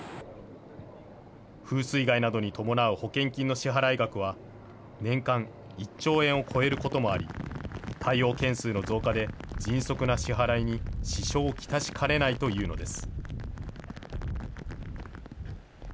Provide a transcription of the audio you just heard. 風水害などに伴う保険金の支払い額は、年間１兆円を超えることもあり、対応件数の増加で、迅速な支払いに支障をきたしかねないというのです。